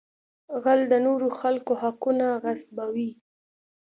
غل د نورو خلکو حقونه غصبوي